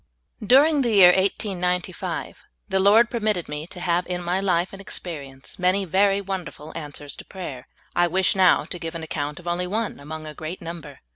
DURING the year 1895, the lyord permitted me to have in my life and experience many very wonder ful answers to prayer. I wish now to give an account of only one among a great number.